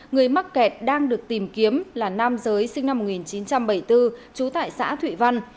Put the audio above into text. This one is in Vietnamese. người mắc kẹt đang được tìm kiếm là nam giới sinh năm một nghìn chín trăm bảy mươi bốn trú tại xã thụy văn